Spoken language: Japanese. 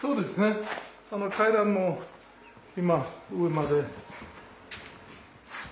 この階段も今上まで。